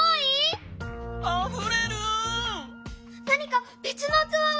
何かべつのうつわは？